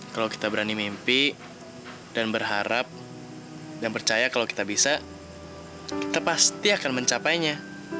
kalau kita berani mimpi dan berharap dan percaya kalau kita bisa kita pasti akan mencapainya